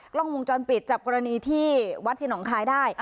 กล้องวงจรปิดจับกรณีที่วัดที่หนองคายได้